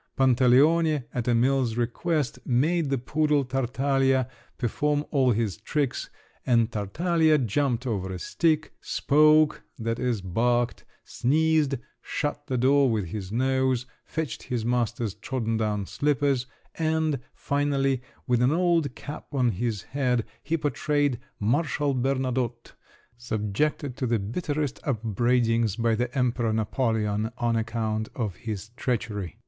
Pantaleone, at Emil's request, made the poodle, Tartaglia, perform all his tricks, and Tartaglia jumped over a stick "spoke," that is, barked, sneezed, shut the door with his nose, fetched his master's trodden down slippers; and, finally, with an old cap on his head, he portrayed Marshal Bernadotte, subjected to the bitterest upbraidings by the Emperor Napoleon on account of his treachery.